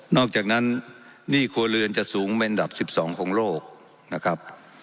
อกจากนั้นหนี้ครัวเรือนจะสูงเป็นอันดับ๑๒ของโลกนะครับ